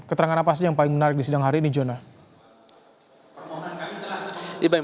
keterangan apa saja yang paling menarik di sidang hari ini jona